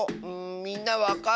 みんなわかる？